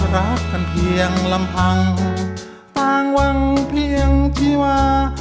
รักกันเพียงลำพังต่างวังเพียงชีวา